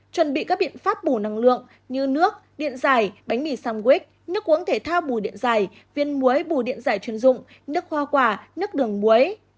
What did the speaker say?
chuẩn bị các biện pháp bù năng lượng như nước điện giải bánh mì sum quýt nước uống thể thao bù điện dài viên muối bù điện giải chuyên dụng nước hoa quả nước đường muối